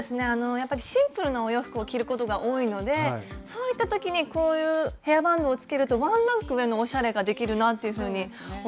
やっぱりシンプルなお洋服を着ることが多いのでそういった時にこういうヘアバンドをつけるとワンランク上のおしゃれができるなというふうに思いました。